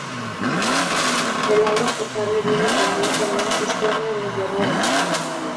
El agua potable viene con un camión cisterna desde Rodas.